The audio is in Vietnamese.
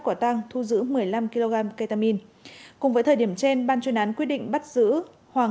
quả tăng thu giữ một mươi năm kg ketamin cùng với thời điểm trên ban chuyên án quyết định bắt giữ hoàng